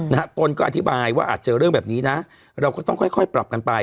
ตนก็อธิบายว่าอาจเจอเรื่องแบบนี้นะเราก็ต้องค่อยค่อยปรับกันไป